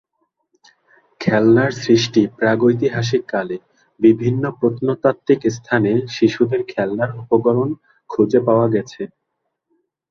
খেলনার সৃষ্টি প্রাগৈতিহাসিক কালে; বিভিন্ন প্রত্নতাত্ত্বিক স্থানে শিশুদের খেলনার উপকরণ খুঁজে পাওয়া গেছে।